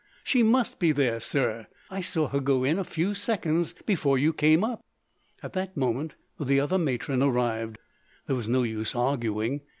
"She must be there, sir. I saw her go in a few seconds before you came up." At that moment the other matron arrived. There was no use arguing.